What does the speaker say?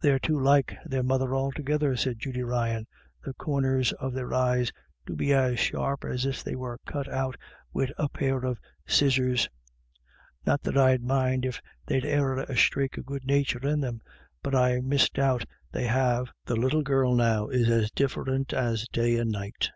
They're too like their mother altogether," said Judy Ryan ;" the corners of their eyes do be as sharp as if they were cut out wid a pair of scis sors. Not that I'd mind if they'd e'er a sthrake of good nature in them ; but I misdoubt they have. The little girl, now, is as diff'rint as day and night.'